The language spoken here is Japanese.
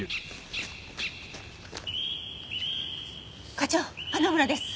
課長花村です。